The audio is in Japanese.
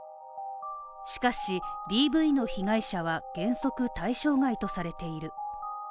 しかし、ＤＶの被害者は原則対象外とされている。